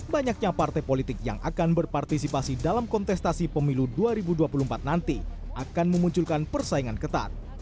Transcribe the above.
banyaknya partai politik yang akan berpartisipasi dalam kontestasi pemilu dua ribu dua puluh empat nanti akan memunculkan persaingan ketat